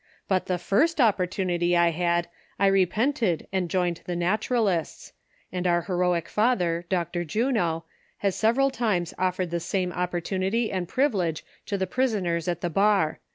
But the first opportunity I had I repented and joined the Naturalists ; and our heroic Father — Dr. Juno — has several times offered the same op portunity and privilege to the prisoners at the bar.